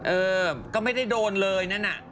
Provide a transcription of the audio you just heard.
เออก็ไม่ได้โดนเลยนั่นน่ะ